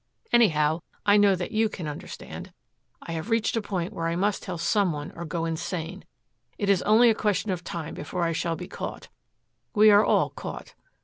Anyhow, I know that you can understand. I have reached a point where I must tell some one or go insane. It is only a question of time before I shall be caught. We are all caught.